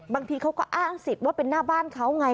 บางทีเขาก็อ้างสิทธิ์ว่าเป็นหน้าบ้านเขาไง